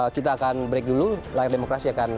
kita akan break dulu layar demokrasi akan